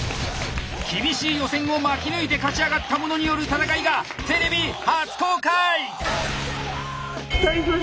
厳しい予選を巻き抜いて勝ち上がった者による戦いがテレビ初公開！